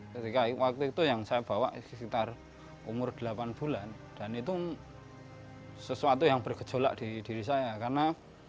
ketika waktu itu yang saya bawa sekitar umur delapan bulan dan itu sesuatu yang bergejolak di diri saya karena